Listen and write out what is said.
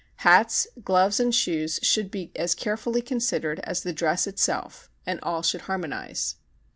Hats, gloves, and shoes should be as carefully considered as the dress itself and all should harmonize.